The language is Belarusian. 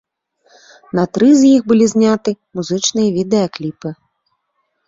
На тры з іх былі зняты музычныя відэакліпы.